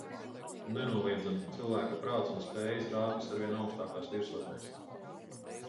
Nenoliedzami - cilvēka prāts un spējas rāpjas arvien augstākās virsotnēs.